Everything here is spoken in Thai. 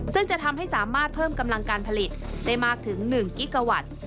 ซึ่งจะทำให้สามารถเพิ่มกำลังการผลิตได้มากถึง๑กิกาวัตต์